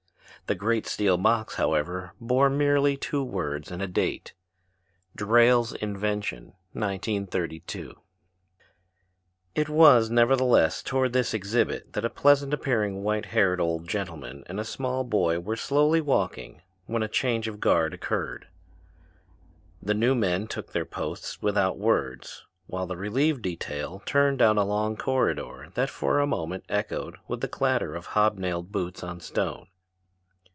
The great steel box, however, bore merely two words and a date: "Drayle's Invention, 1932." It was, nevertheless, toward this exhibit that a pleasant appearing white haired old gentleman and a small boy were slowly walking when a change of guard occurred. The new men took their posts without words while the relieved detail turned down a long corridor that for a moment echoed with the clatter of hobnailed boots on stone.